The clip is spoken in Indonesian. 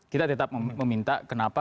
kita tetap meminta kenapa